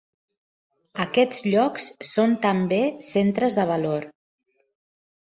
Aquests llocs són també centres de valor.